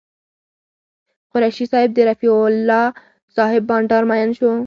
قریشي صاحب د رفیع صاحب بانډار مین شو.